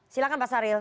silakan pak saril